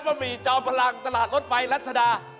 บ้าบีเจ้าพลังตลาดรถไฟรัชดา